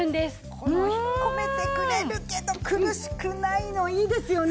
この引っ込めてくれるけど苦しくないのいいですよね！